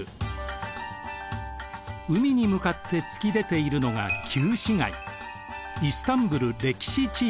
海に向かって突き出ているのが旧市街。